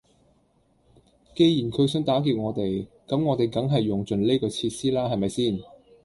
既然佢想打劫我哋，咁我哋梗係用盡呢個設施啦係咪先？